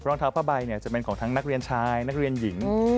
รองเท้าผ้าใบจะเป็นของทั้งนักเรียนชายนักเรียนหญิง